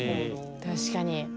確かに。